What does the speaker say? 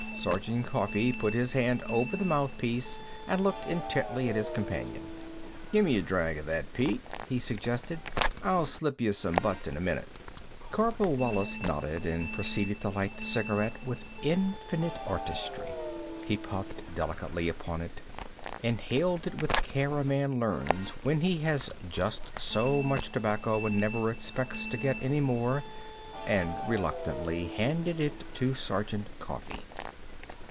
Sergeant Coffee put his hand over the mouthpiece, and looked intently at his companion. "Gimme a drag o' that, Pete," he suggested. "I'll slip y' some butts in a minute." Corporal Wallis nodded, and proceeded to light the cigarette with infinite artistry. He puffed delicately upon it, inhaled it with the care a man learns when he has just so much tobacco and never expects to get any more, and reluctantly handed it to Sergeant Coffee.